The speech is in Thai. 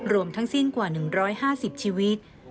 รวมทั้งสิ้นกว่า๑๕๐ชีวิต